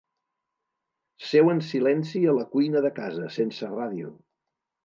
Seu en silenci a la cuina de casa, sense ràdio.